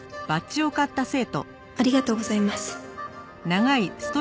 ありがとうございます。